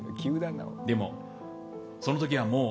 でも、その時はもう